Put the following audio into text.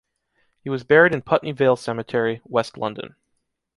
He was buried in Putney Vale cemetery, West London.